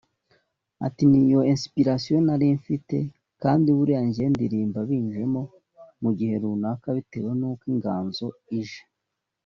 Ati “Niyo inspiration nari mfite kandi buriya njye ndirimba binjemo mu bihe runaka bitewe n’uko inganzo ije